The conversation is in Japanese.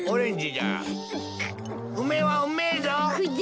ウメはうめえぞ。